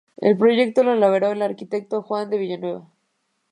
El proyecto lo elaboró el arquitecto Juan de Villanueva.